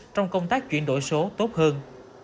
trong công tác chuyển đổi số tốt hơn